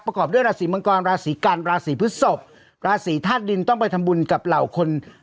ประกอบด้วยราศีมังกรราศีกันราศีพฤศพราศีธาตุดินต้องไปทำบุญกับเหล่าคน